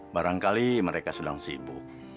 barangkali mereka sedang sibuk